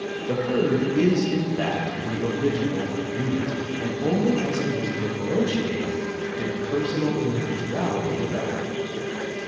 The herd is in fact the original unit, and only as it was differentiated did personal individuality develop.